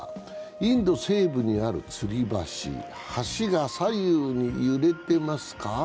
インド西部にあるつり橋橋が左右に揺れてますか。